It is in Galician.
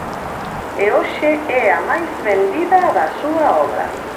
E hoxe é a máis vendida da súa obra.